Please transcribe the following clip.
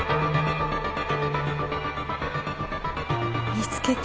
見つけた。